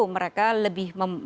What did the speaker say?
justru mereka lebih memperhatikan